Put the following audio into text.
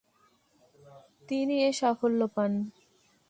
তিনি এ সাফল্য পান।